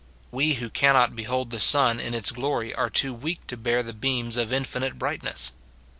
We who cannot behold the sun in its glory are too weak to bear the beams of infinite brightness.